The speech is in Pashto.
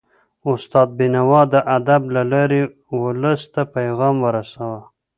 استاد بينوا د ادب له لارې ولس ته پیغام ورساوه.